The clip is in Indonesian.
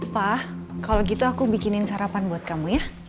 pak kalau gitu aku bikinin sarapan buat kamu ya